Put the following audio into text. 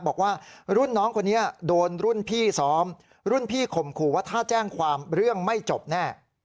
บอกว่ารุ่นน้องคนนี้โดนรุ่นพี่ซ้อมรุ่นพี่ข่มขู่ว่าถ้าแจ้งความเรื่องไม่จบแน่